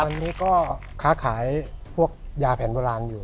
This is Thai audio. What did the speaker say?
วันนี้ก็ค้าขายพวกยาแผ่นพลังอยู่